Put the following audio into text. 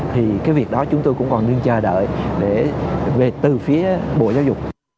thì cái việc đó chúng tôi cũng còn đứng chờ đợi về từ phía bộ giáo dục